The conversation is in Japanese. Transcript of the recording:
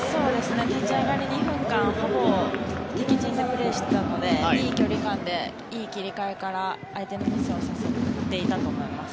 立ち上がり２分間ほぼ敵陣でプレーしていたのでいい距離感でいい切り替えから相手のミスを誘っていたと思います。